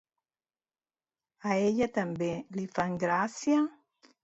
A ella també li fan gràcia?